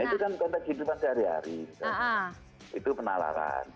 itu kan konteks hidupan sehari hari itu penalaran